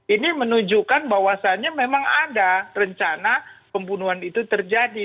ini menunjukkan bahwasannya memang ada rencana pembunuhan itu terjadi